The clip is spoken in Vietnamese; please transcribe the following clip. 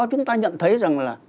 chúng ta nhận thấy rằng là